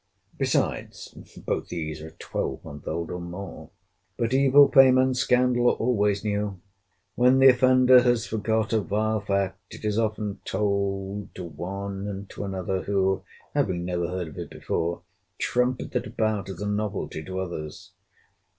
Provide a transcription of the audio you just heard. Besides, both these are a twelve month old, or more. But evil fame and scandal are always new. When the offender has forgot a vile fact, it is often told to one and to another, who, having never heard of it before, trumpet it about as a novelty to others.